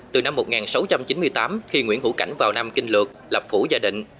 từ năm một nghìn sáu trăm chín mươi tám khi nguyễn hữu cảnh vào năm kinh luật lập phủ gia định